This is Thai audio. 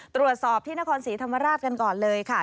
ตรวจสอบที่นครศรีธรรมราชกันก่อนเลยค่ะ